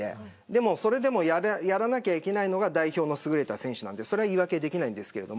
でも、それでもやらなければいけないのが代表のすぐれた選手なのでそれは言い訳できないんですけど。